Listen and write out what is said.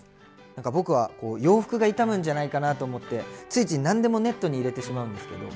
なんか僕は洋服が傷むんじゃないかなと思ってついつい何でもネットに入れてしまうんですけど。